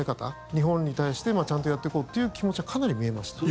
日本に対して、ちゃんとやっていこうという気持ちはかなり見えました。